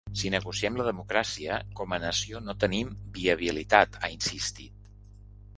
Si negociem la democràcia, com a nació no tenim viabilitat, ha insistit.